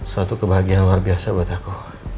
suatu kebahagiaan luar biasa buat aku